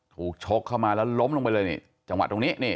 ชกเข้ามาแล้วล้มลงไปเลยนี่จังหวะตรงนี้นี่